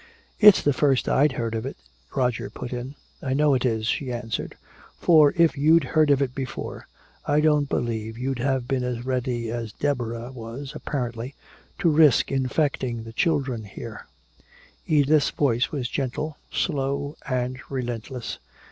"It's the first I'd heard of it," Roger put in. "I know it is," she answered. "For if you'd heard of it before, I don't believe you'd have been as ready as Deborah was, apparently, to risk infecting the children here." Edith's voice was gentle, slow and relentless.